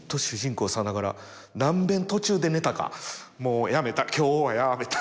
さながら何べん途中で寝たかもうやめた今日はやめた！